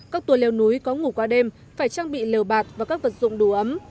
các tùa leo núi có ngủ qua đêm phải trang bị lều bạc và các vật dụng đủ ấm